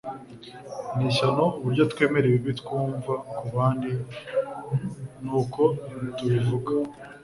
Ni ishyano uburyo twemera ibibi twumva kubandi nuko tubivuga